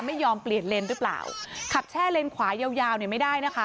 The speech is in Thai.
ไม่ยอมเปลี่ยนเลนหรือเปล่าขับแช่เลนขวายาวยาวเนี่ยไม่ได้นะคะ